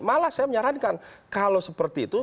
malah saya menyarankan kalau seperti itu